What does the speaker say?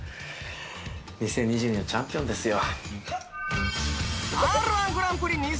２０２２年のチャンピオンですよ。